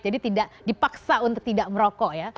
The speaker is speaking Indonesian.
jadi tidak dipaksa untuk tidak merokok ya